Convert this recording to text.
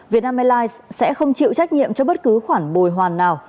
vietnam airlines sẽ không chịu trách nhiệm cho bất cứ khoản bồi hoàn nào